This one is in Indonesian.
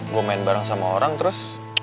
gue main bareng sama orang terus